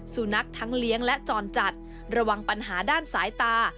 สุนัขทั้งเลี้ยงและจรจัดระวังปัญหาด้านสายตา